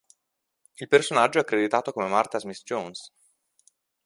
Il personaggio è accreditato come Martha Smith-Jones.